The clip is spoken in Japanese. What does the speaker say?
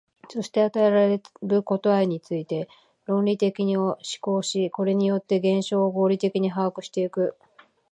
そして与えられる答えについて論理的に思考し、これによって現象を合理的に把握してゆく。